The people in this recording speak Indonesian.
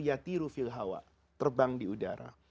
yatiru filhawa terbang di udara